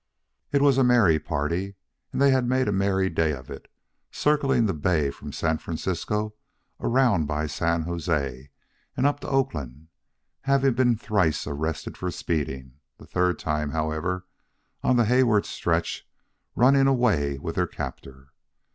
It was a merry party, and they had made a merry day of it, circling the bay from San Francisco around by San Jose and up to Oakland, having been thrice arrested for speeding, the third time, however, on the Haywards stretch, running away with their captor.